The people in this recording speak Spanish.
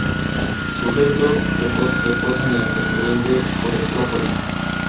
Sus restos reposan en la catedral de Petrópolis.